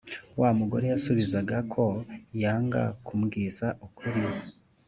wa mugore yansubizaga ko yanga kumbwiza ukuri